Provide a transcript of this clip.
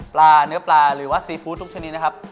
เนื้อปลาหรือว่าซีฟู้ดทุกชนิดนะครับ